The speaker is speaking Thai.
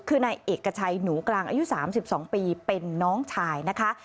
คือนายเอกชัยหนูกลางอายุ๓๒ปีเป็นน้องชายนะคะ